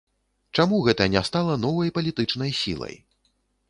Чаму гэта не стала новай палітычнай сілай?